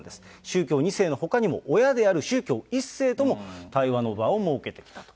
宗教２世のほかにも親である宗教１世とも対話の場を設けてきたと。